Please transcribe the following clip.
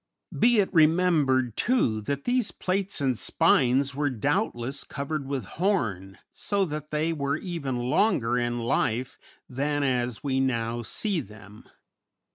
Be it remembered, too, that these plates and spines were doubtless covered with horn, so that they were even longer in life than as we now see them.